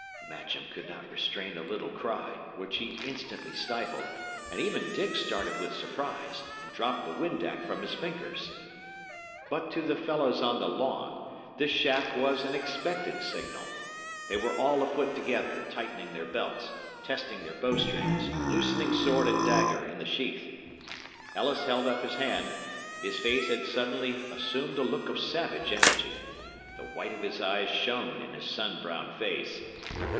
Matcham could not restrain a little cry, which he instantly stifled, and even Dick started with surprise, and dropped the windac from his fingers. But to the fellows on the lawn, this shaft was an expected signal. They were all afoot together, tightening their belts, testing their bow strings, loosening sword and dagger in the sheath. Ellis held up his hand; his face had suddenly assumed a look of savage energy; the white of his eyes shone in his sun brown face.